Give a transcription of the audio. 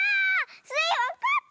スイわかったかも！